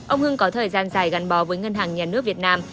ông hưng có thời gian dài gắn bó với ngân hàng nhà nước việt nam